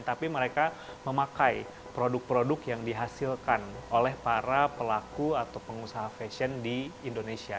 tapi mereka memakai produk produk yang dihasilkan oleh para pelaku atau pengusaha fashion di indonesia